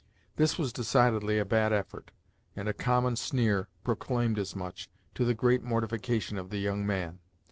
This was decidedly a bad effort, and a common sneer proclaimed as much, to the great mortification of the young man.